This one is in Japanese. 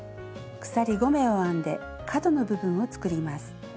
鎖５目を編んで角の部分を作ります。